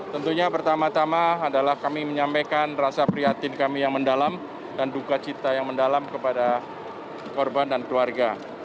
tentunya pertama tama adalah kami menyampaikan rasa prihatin kami yang mendalam dan duka cita yang mendalam kepada korban dan keluarga